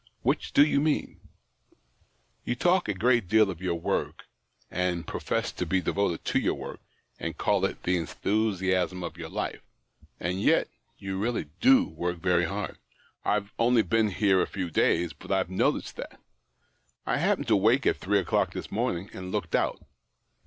Which do you mean ?"" You talk a great deal of your work, and profess to be devoted to your work, and call it the enthusiasm of your life ; and yet you really do work very hard. I've only been here a few days, but I've noticed that. I happened to wake at three o'clock this morn ing, and looked out.